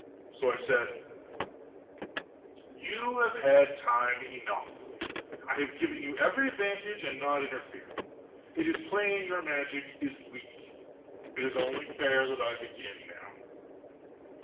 So I said: "You have had time enough. I have given you every advantage, and not interfered. It is plain your magic is weak. It is only fair that I begin now."